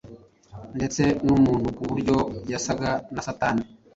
ndetse n’ubumuntu ku buryo yasaga na Satani.